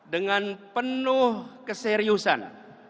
dengan penuh keseriusan